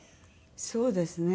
そうですね。